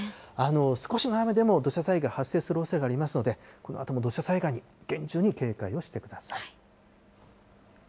少しの雨でも土砂災害発生する可能性がありますので、このあとも土砂災害に厳重に警戒をしてください。